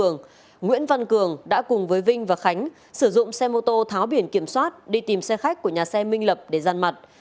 nguyễn văn cường đã cùng với vinh và khánh sử dụng xe mô tô tháo biển kiểm soát đi tìm xe khách của nhà xe minh lập để gian mặt